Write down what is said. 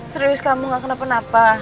serius kamu gak kenapa napa